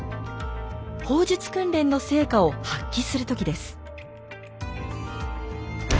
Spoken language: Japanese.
砲術訓練の成果を発揮する時です。